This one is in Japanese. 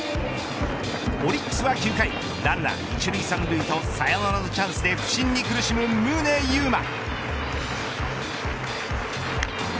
オリックスは９回ランナー１塁３塁とサヨナラのチャンスで不振に苦しむ宗佑磨。